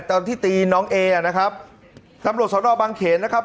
ตอนที่ตีน้องเออ่ะนะครับตำรวจสนบางเขนนะครับ